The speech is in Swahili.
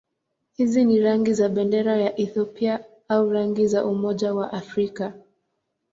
Hizi ni rangi za bendera ya Ethiopia au rangi za Umoja wa Afrika.